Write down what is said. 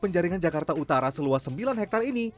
penjaringan jakarta utara seluas sembilan hektare ini